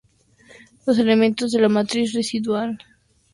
Los elementos de la matriz residual pueden ser negativos o positivos.